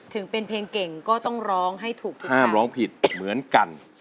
ถึงเป็นเพลงเก่งก็ต้องร้องให้ถูกห้ามร้องผิดเหมือนกัน